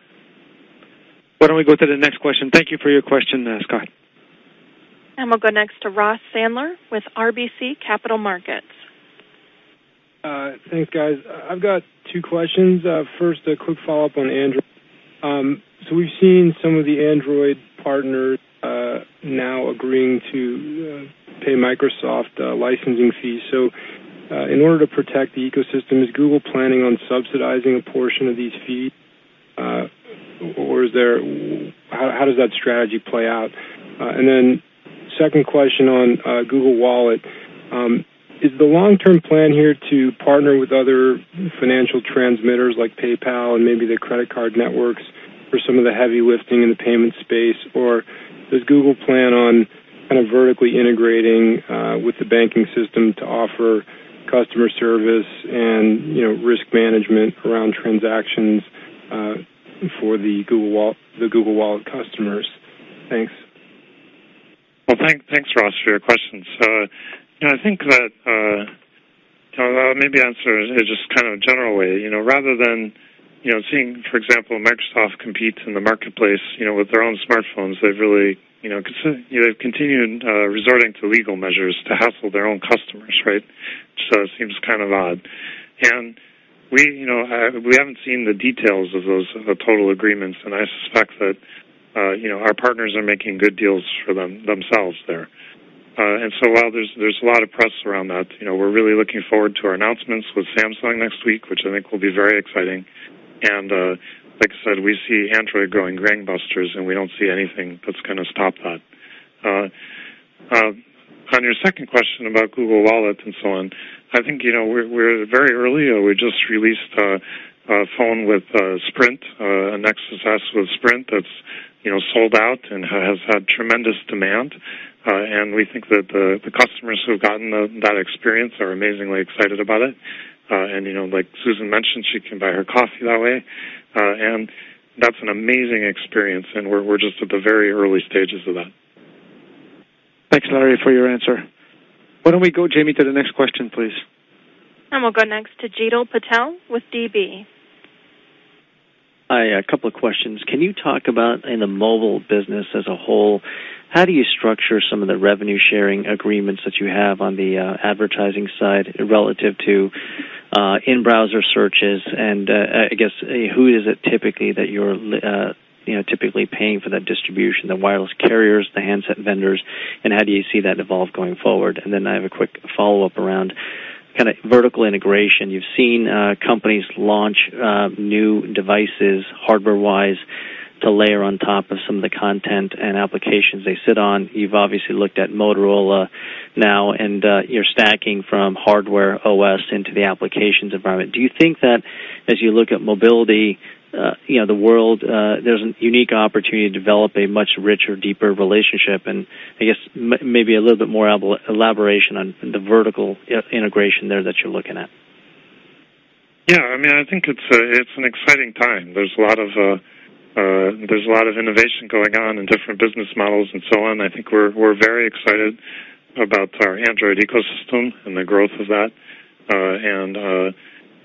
Why don't we go to the next question? Thank you for your question, Scott. We'll go next to Ross Sandler with RBC Capital Markets. Thanks, guys. I've got two questions. First, a quick follow-up on Android. We've seen some of the Android partners now agreeing to pay Microsoft licensing fees. In order to protect the ecosystem, is Google planning on subsidizing a portion of these fees? How does that strategy play out? Second question on Google Wallet. Is the long-term plan here to partner with other financial transmitters like PayPal and maybe the credit card networks for some of the heavy lifting in the payment space? Does Google plan on kind of vertically integrating with the banking system to offer customer service and risk management around transactions for the Google Wallet customers? Thanks. Thank you, Ross, for your question. I think that I'll maybe answer it just kind of generally. Rather than seeing, for example, Microsoft competes in the marketplace with their own smartphones, they've continued resorting to legal measures to hassle their own customers, right? It seems kind of odd. We haven't seen the details of those total agreements. I suspect that our partners are making good deals for themselves there. While there's a lot of press around that, we're really looking forward to our announcements with Samsung next week, which I think will be very exciting. Like I said, we see Android growing gangbusters, and we don't see anything that's going to stop that. On your second question about Google Wallet and so on, I think we're very early. We just released a phone with Sprint, a Nexus S with Sprint that's sold out and has had tremendous demand. We think that the customers who have gotten that experience are amazingly excited about it. Like Susan mentioned, she can buy her coffee that way. That's an amazing experience, and we're just at the very early stages of that. Thanks, Larry, for your answer. Why don't we go, Jamie, to the next question, please? We will go next to Jeetil Patel with DB. Hi, a couple of questions. Can you talk about in a mobile business as a whole, how do you structure some of the revenue sharing agreements that you have on the advertising side relative to in-browser searches? I guess who is it typically that you're typically paying for that distribution, the wireless carriers, the handset vendors? How do you see that evolve going forward? I have a quick follow-up around kind of vertical integration. You've seen companies launch new devices hardware-wise to layer on top of some of the content and applications they sit on. You've obviously looked at Motorola now, and you're stacking from hardware OS into the applications environment. Do you think that as you look at mobility, the world, there's a unique opportunity to develop a much richer, deeper relationship? I guess maybe a little bit more elaboration on the vertical integration there that you're looking at. Yeah, I mean, I think it's an exciting time. There's a lot of innovation going on in different business models and so on. I think we're very excited about our Android ecosystem and the growth of that.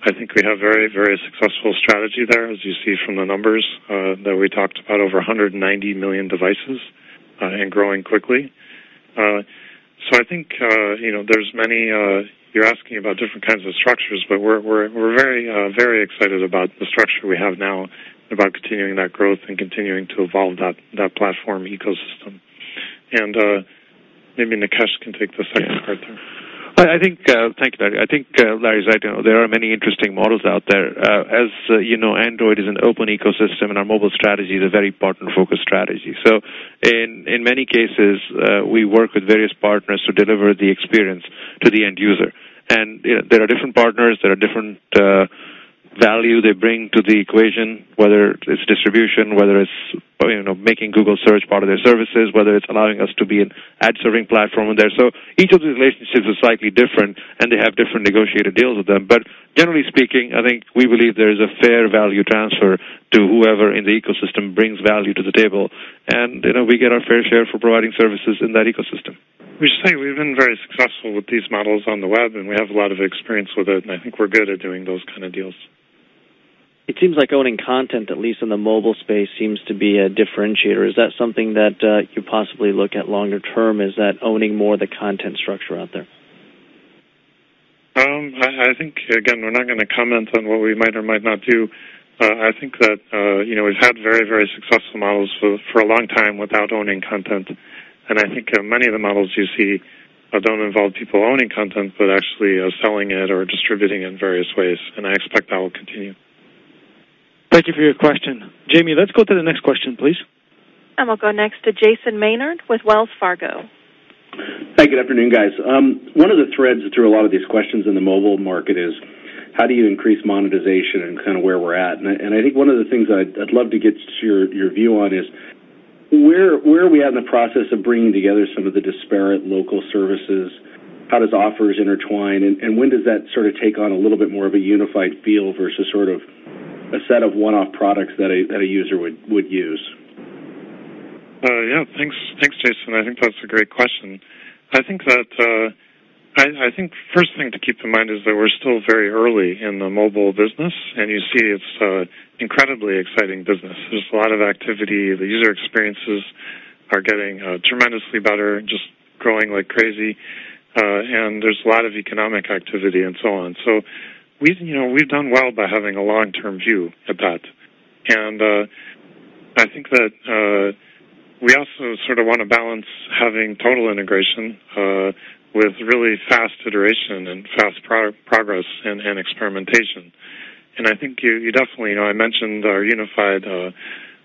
I think we have a very, very successful strategy there, as you see from the numbers that we talked about, over 190 million devices and growing quickly. I think you're asking about different kinds of structures, but we're very, very excited about the structure we have now and about continuing that growth and continuing to evolve that platform ecosystem. Maybe Nikesh can take the second part there. Thank you, Larry. I think Larry's right. There are many interesting models out there. As you know, Android is an open ecosystem, and our mobile strategy is a very partner-focused strategy. In many cases, we work with various partners to deliver the experience to the end user. There are different partners, and there are different values they bring to the equation, whether it's distribution, whether it's making Google Search part of their services, or whether it's allowing us to be an ad-serving platform there. Each of these relationships is slightly different, and they have different negotiated deals with them. Generally speaking, I think we believe there is a fair value transfer to whoever in the ecosystem brings value to the table, and we get our fair share for providing services in that ecosystem. We've been very successful with these models on the web, and we have a lot of experience with it. I think we're good at doing those kind of deals. It seems like owning content, at least in the mobile space, seems to be a differentiator. Is that something that you possibly look at longer term? Is that owning more of the content structure out there? I think, again, we're not going to comment on what we might or might not do. I think that we've had very, very successful models for a long time without owning content. I think many of the models you see don't involve people owning content, but actually selling it or distributing it in various ways. I expect that will continue. Thank you for your question. Jamie, let's go to the next question, please. We will go next to Jason Maynard with Wells Fargo. Hi, good afternoon, guys. One of the threads through a lot of these questions in the mobile market is how do you increase monetization and kind of where we're at? I think one of the things I'd love to get your view on is where are we at in the process of bringing together some of the disparate local services? How does Google Offers intertwine? When does that sort of take on a little bit more of a unified feel versus sort of a set of one-off products that a user would use? Yeah, thanks, Jason. I think that's a great question. The first thing to keep in mind is that we're still very early in the mobile business. You see it's an incredibly exciting business. There's a lot of activity. The user experiences are getting tremendously better, just growing like crazy. There's a lot of economic activity and so on. We've done well by having a long-term view at that. I think that we also sort of want to balance having total integration with really fast iteration, fast progress, and experimentation. I think you definitely know I mentioned our unified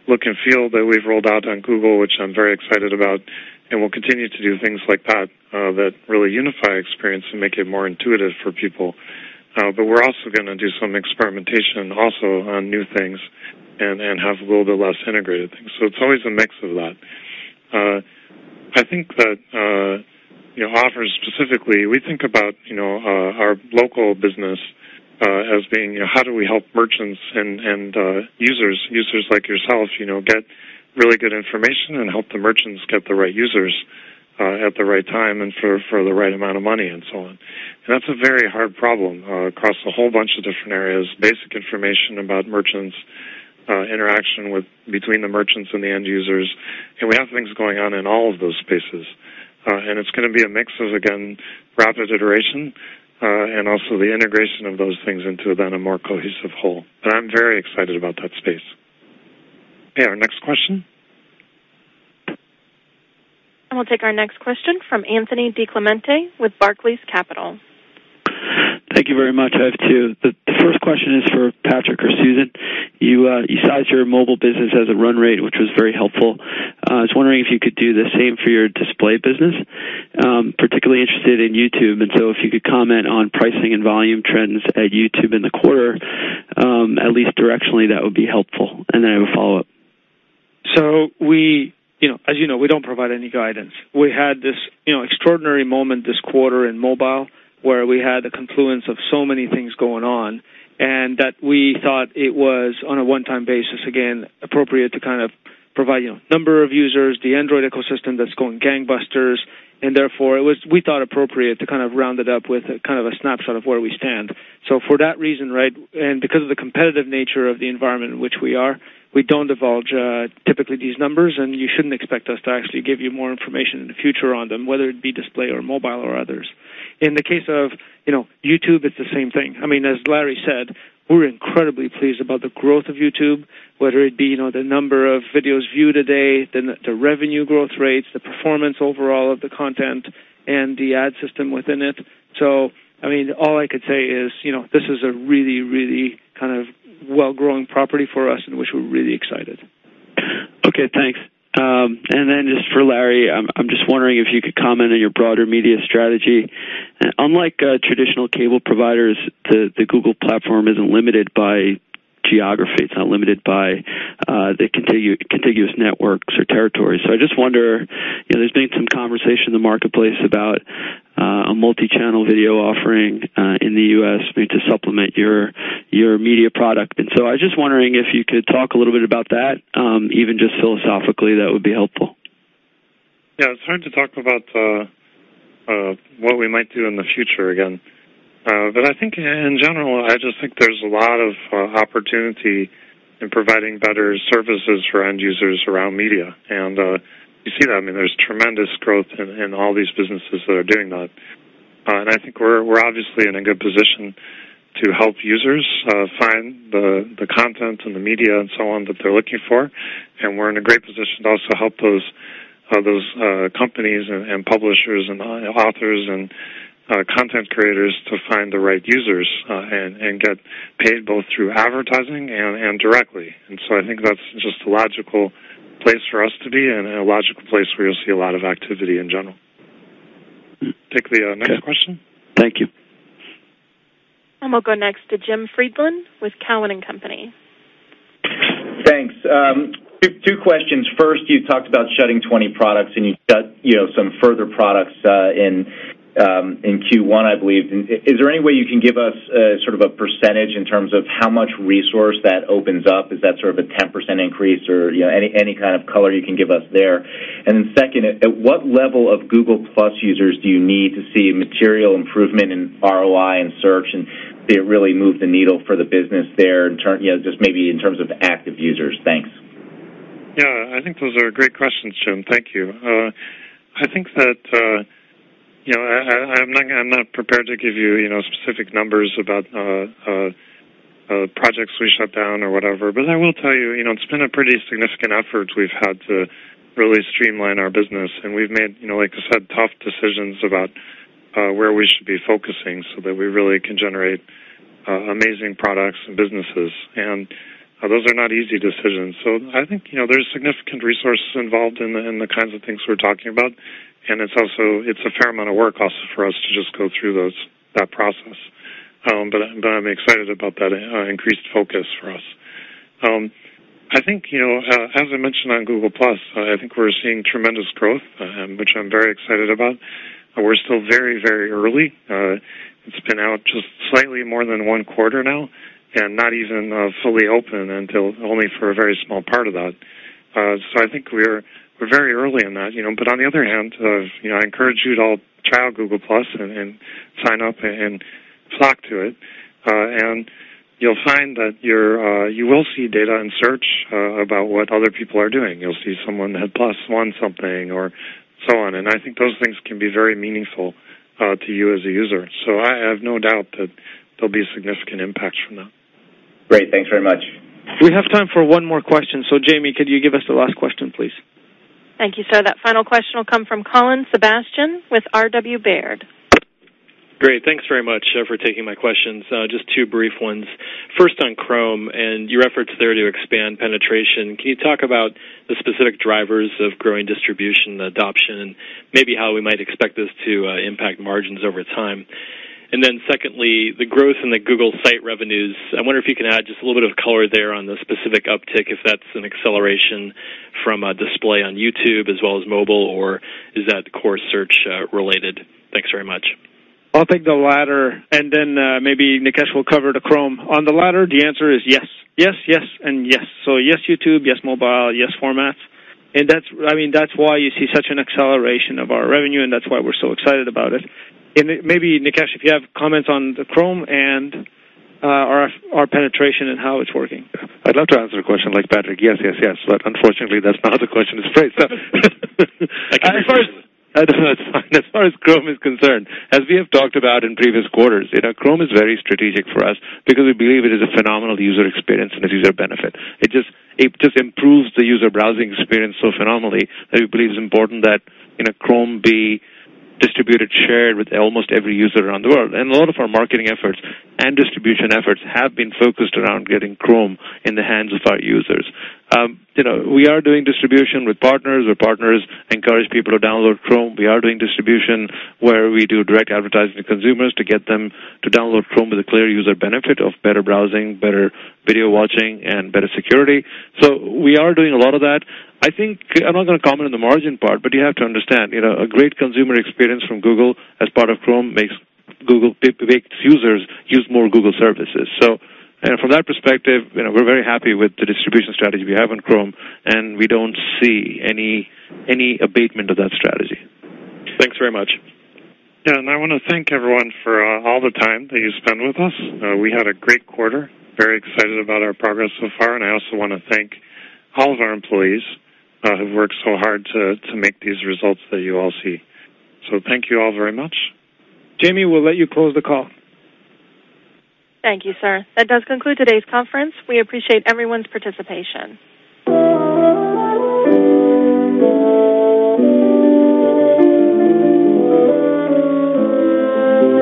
look and feel that we've rolled out on Google, which I'm very excited about. We'll continue to do things like that that really unify the experience and make it more intuitive for people. We're also going to do some experimentation on new things and have a little bit less integrated things. It's always a mix of that. I think that Offers specifically, we think about our local business as being how do we help merchants and users, users like yourself, get really good information and help the merchants get the right users at the right time and for the right amount of money and so on. That's a very hard problem across a whole bunch of different areas, basic information about merchants, interaction between the merchants and the end users. We have things going on in all of those spaces. It's going to be a mix of, again, rapid iteration and also the integration of those things into then a more cohesive whole. I'm very excited about that space. OK, our next question. We will take our next question from Anthony DiClemente with Barclays Capital. Thank you very much, I have two. The first question is for Patrick or Susan. You sized your mobile business as a run rate, which was very helpful. I was wondering if you could do the same for your display business. I'm particularly interested in YouTube. If you could comment on pricing and volume trends at YouTube in the quarter, at least directionally, that would be helpful. I will follow up. As you know, we don't provide any guidance. We had this extraordinary moment this quarter in mobile where we had a confluence of so many things going on that we thought it was on a one-time basis, again, appropriate to kind of provide a number of users, the Android ecosystem that's going gangbusters. Therefore, we thought appropriate to kind of round it up with kind of a snapshot of where we stand. For that reason, and because of the competitive nature of the environment in which we are, we don't divulge typically these numbers. You shouldn't expect us to actually give you more information in the future on them, whether it be display or mobile or others. In the case of YouTube, it's the same thing. I mean, as Larry said, we're incredibly pleased about the growth of YouTube, whether it be the number of videos viewed a day, the revenue growth rates, the performance overall of the content, and the ad system within it. All I could say is this is a really, really kind of well-growing property for us in which we're really excited. OK, thanks. Just for Larry, I'm wondering if you could comment on your broader media strategy. Unlike traditional cable providers, the Google platform isn't limited by geography. It's not limited by the contiguous networks or territories. I wonder, there's been some conversation in the marketplace about a multi-channel video offering in the U.S. to supplement your media product. I was just wondering if you could talk a little bit about that, even just philosophically, that would be helpful. Yeah, it's hard to talk about what we might do in the future again. I think in general, I just think there's a lot of opportunity in providing better services for end users around media. You see that. I mean, there's tremendous growth in all these businesses that are doing that. I think we're obviously in a good position to help users find the content and the media and so on that they're looking for. We're in a great position to also help those companies and publishers and authors and content creators to find the right users and get paid both through advertising and directly. I think that's just a logical place for us to be and a logical place where you'll see a lot of activity in general. Take the next question. Thank you. We'll go next to Jim Friedland with Cowen & Company. Thanks. Two questions. First, you talked about shutting 20 products, and you shut some further products in Q1, I believe. Is there any way you can give us sort of a percentage in terms of how much resource that opens up? Is that sort of a 10% increase or any kind of color you can give us there? Then, at what level of Google+ users do you need to see material improvement in ROI and search and really move the needle for the business there, just maybe in terms of active users? Thanks. Yeah, I think those are great questions, Jim. Thank you. I think that I'm not prepared to give you specific numbers about projects we shut down or whatever. I will tell you, it's been a pretty significant effort we've had to really streamline our business. We've made, like I said, tough decisions about where we should be focusing so that we really can generate amazing products and businesses. Those are not easy decisions. I think there's significant resources involved in the kinds of things we're talking about. It's a fair amount of work also for us to just go through that process. I'm excited about that increased focus for us. I think, as I mentioned on Google+, we're seeing tremendous growth, which I'm very excited about. We're still very, very early. It's been out just slightly more than one quarter now and not even fully open until only for a very small part of that. I think we're very early in that. I encourage you to all try out Google+ and sign up and flock to it. You'll find that you will see data in search about what other people are doing. You'll see someone had +1 something or so on. I think those things can be very meaningful to you as a user. I have no doubt that there'll be significant impacts from that. Great, thanks very much. We have time for one more question. Jamie, could you give us the last question, please? Thank you, sir. That final question will come from Colin Sebastian with RW Baird. Great, thanks very much for taking my questions. Just two brief ones. First on Chrome and your efforts there to expand penetration. Can you talk about the specific drivers of growing distribution and adoption, and maybe how we might expect this to impact margins over time? Secondly, the growth in the Google site revenues. I wonder if you can add just a little bit of color there on the specific uptick, if that's an acceleration from display on YouTube as well as mobile, or is that core search related? Thanks very much. I'll take the latter. Maybe Nikesh will cover the Chrome. On the latter, the answer is yes. Yes, yes, and yes. Yes, YouTube, yes, mobile, yes, formats. That's why you see such an acceleration of our revenue, and that's why we're so excited about it. Maybe, Nikesh, if you have comments on the Chrome and our penetration and how it's working. I'd love to answer a question like Patrick. Yes, yes, yes. Unfortunately, that's not the question. As far as Chrome is concerned, as we have talked about in previous quarters, Chrome is very strategic for us because we believe it is a phenomenal user experience and a user benefit. It just improves the user browsing experience so phenomenally that we believe it's important that Chrome be distributed, shared with almost every user around the world. A lot of our marketing efforts and distribution efforts have been focused around getting Chrome in the hands of our users. We are doing distribution with partners where partners encourage people to download Chrome. We are doing distribution where we do direct advertising to consumers to get them to download Chrome with a clear user benefit of better browsing, better video watching, and better security. We are doing a lot of that. I think I'm not going to comment on the margin part, but you have to understand a great consumer experience from Google as part of Chrome makes users use more Google services. From that perspective, we're very happy with the distribution strategy we have on Chrome. We don't see any abatement of that strategy. Thanks very much. Yeah, I want to thank everyone for all the time that you spend with us. We had a great quarter. Very excited about our progress so far. I also want to thank all of our employees who've worked so hard to make these results that you all see. Thank you all very much. Jamie, we'll let you close the call. Thank you, sir. That does conclude today's conference. We appreciate everyone's participation.